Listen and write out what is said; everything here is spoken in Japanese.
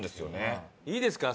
いいですか？